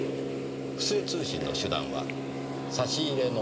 不正通信の手段は差し入れの本。